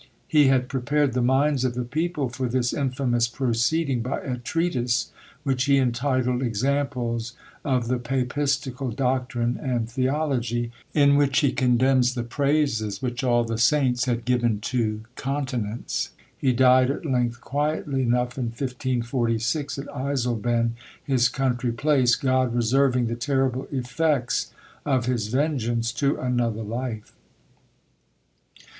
He had prepared the minds of the people for this infamous proceeding by a treatise which he entitled 'Examples of the Papistical Doctrine and Theology,' in which he condemns the praises which all the saints had given to continence. He died at length quietly enough, in 1546, at Eisleben, his country place God reserving the terrible effects of his vengeance to another life."